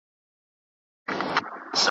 یو پراخ او ښکلی چمن دی ,